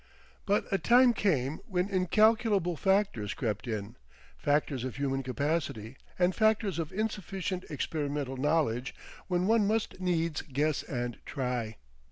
But a time came when incalculable factors crept in, factors of human capacity and factors of insufficient experimental knowledge, when one must needs guess and try.